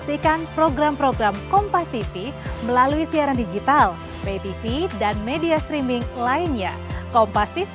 ini mencarikan adilah hukum